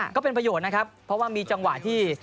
ก็เป็นประโยชน์นะครับเพราะว่ามีจังหวะที่